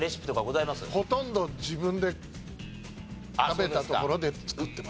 ほとんど自分で食べたところで作ってますね。